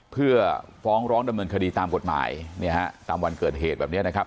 เพื่อฟ้องร้องดำเนินคดีตามกฎหมายเนี่ยฮะตามวันเกิดเหตุแบบนี้นะครับ